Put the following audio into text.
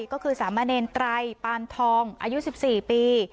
ก็คือสามะเนรไตรปานทองอายุ๑๔ปี